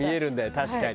確かに。